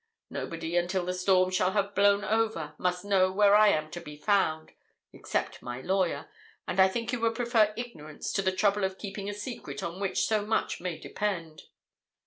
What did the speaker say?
Nobody, until the storm shall have blown over, must know where I am to be found, except my lawyer; and I think you would prefer ignorance to the trouble of keeping a secret on which so much may depend.'